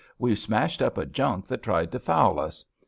* WeVe smashed up a junk that tried to foul us.